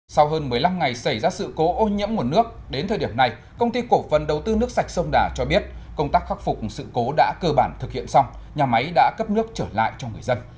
sau hơn một mươi năm ngày xảy ra sự cố ô nhiễm nguồn nước đến thời điểm này công ty cổ phần đầu tư nước sạch sông đà cho biết công tác khắc phục sự cố đã cơ bản thực hiện xong nhà máy đã cấp nước trở lại cho người dân